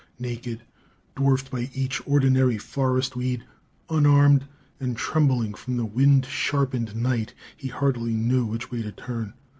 Naked, dwarfed by each ordinary forest weed, unarmed, and trembling from the wind sharpened night, he hardly knew which way to turn.